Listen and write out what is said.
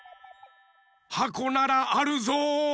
はこならあるぞ。